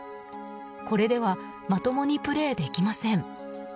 これではまともにプレーできません。